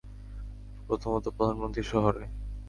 প্রথমত, প্রধানমন্ত্রী শহরে।